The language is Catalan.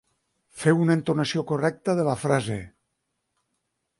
Feu una entonació correcta de la frase.